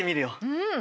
うん。